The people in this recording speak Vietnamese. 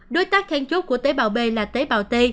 đối tác khen chốt của tế bào b là tế bào t